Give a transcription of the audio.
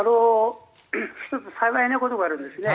１つ、幸いなことがあるんですね。